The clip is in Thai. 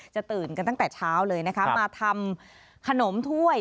ตื่นกันตั้งแต่เช้าเลยนะคะมาทำขนมถ้วย